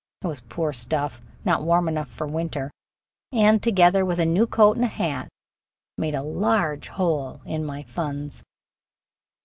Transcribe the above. It was poor stuff, not warm enough for winter, and, together with a new coat and hat, made a large hole in my funds.